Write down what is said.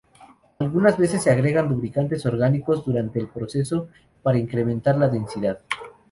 Algunas veces, se agregan lubricantes orgánicos durante el proceso para incrementar la densidad.